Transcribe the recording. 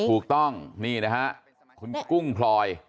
ถูกต้องนี่นะฮะคุณกุ้งพลอย